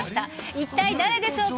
一体誰でしょうか。